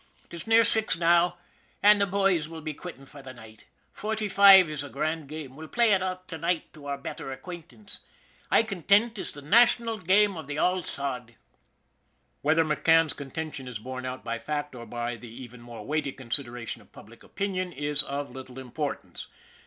Tis near six now, an' the bhoys'll be quittin' for the night. Forty foive is a grand game. We'll play ut to night to our better ac quaintance. I contind 'tis the national game av the ould sod." Whether McCann's contention is borne out by fact, or by the even more weighty consideration of public opinion, is of little importance.